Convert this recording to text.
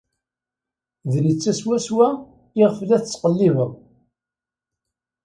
D netta swaswa iɣef la tettqellibeḍ.